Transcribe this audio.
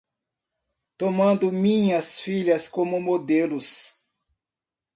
Tomando minhas filhas como modelos